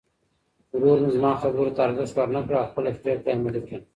ورور مې زما خبرو ته ارزښت ورنه کړ او خپله پرېکړه یې عملي کړه.